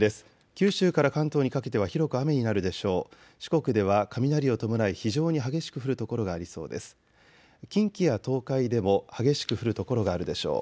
九州から関東にかけては広く雨になるでしょう。